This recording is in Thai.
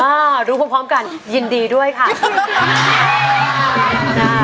รู้พร้อมกันยินดีด้วยค่ะ